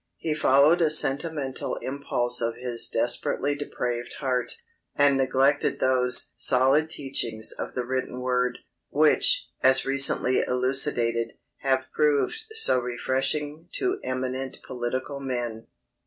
He followed a sentimental impulse of his desperately depraved heart, and neglected those "solid teachings of the written word," which, as recently elucidated, have proved so refreshing to eminent political men.